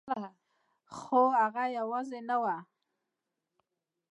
خو هغه یوازې نه وه